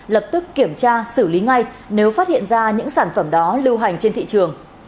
lập tức kiểm tra xử lý ngay nếu phát hiện ra những sản phẩm đó lưu hành trên thị trường